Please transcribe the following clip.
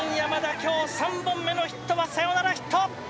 今日、３本目のヒットはサヨナラヒット。